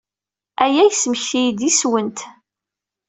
Aya yesmekti-iyi-d yes-went.